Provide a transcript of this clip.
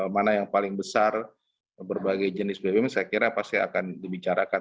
mana yang paling besar berbagai jenis bbm saya kira pasti akan dibicarakan